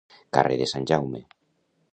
Carrer de Sant Jaume.